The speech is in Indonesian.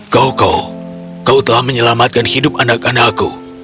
koko kau telah menyelamatkan hidup anak anakku